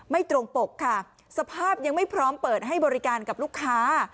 ไม่ตรงปกค่ะสภาพยังไม่พร้อมเปิดให้บริการกับลูกค้า